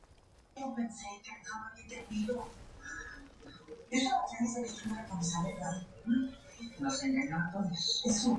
Escudo sobre pergamino heráldico de oro.